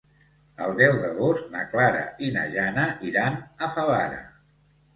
El deu d'agost na Clara i na Jana iran a Favara.